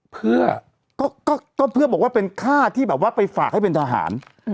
เพื่อก็เพื่อบอกว่าเป็นค่าที่แบบว่าไปฝากให้เป็นทหาร